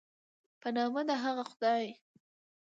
په نامه د هغه خدای